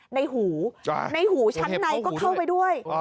ในหูในหูชั้นในก็เข้าไปด้วย